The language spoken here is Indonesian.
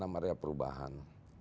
ada enam area perubahan